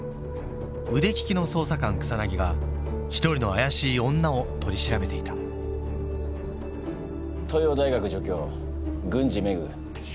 腕利きの捜査官草が一人のあやしい女を取り調べていた東洋大学助教郡司芽久